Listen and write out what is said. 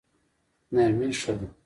نرمي ښه دی.